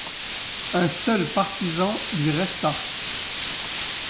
Un seul partisan lui resta.